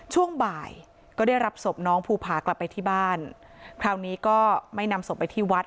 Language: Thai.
ช่วงบ่ายก็ได้รับศพน้องภูผากลับไปที่บ้านคราวนี้ก็ไม่นำศพไปที่วัด